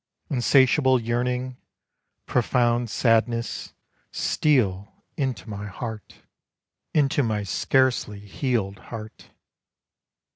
Insatiable yearning, profound sadness Steal into my heart, Into my scarcely healed heart.